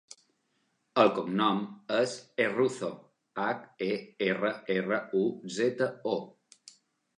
El cognom és Herruzo: hac, e, erra, erra, u, zeta, o.